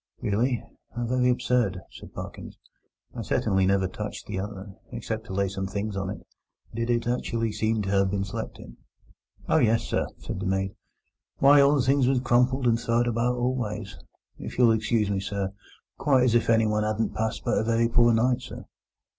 "Really? How very absurd!" said Parkins. "I certainly never touched the other, except to lay some things on it. Did it actually seem to have been slept in?" "Oh yes, sir!" said the maid. "Why, all the things was crumpled and throwed about all ways, if you'll excuse me, sir—quite as if anyone 'adn't passed but a very poor night, sir."